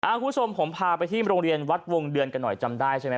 คุณผู้ชมผมพาไปที่โรงเรียนวัดวงเดือนกันหน่อยจำได้ใช่ไหม